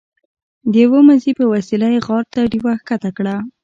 د یوه مزي په وسیله یې غار ته ډیوه ښکته کړه.